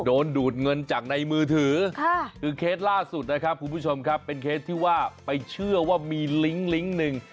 ดูดเงินจากในมือถือคือเคสล่าสุดนะครับคุณผู้ชมครับเป็นเคสที่ว่าไปเชื่อว่ามีลิงค์ลิงก์หนึ่ง